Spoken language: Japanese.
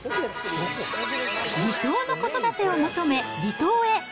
理想の子育てを求め、離島へ！